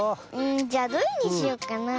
じゃあどれにしよっかなあ。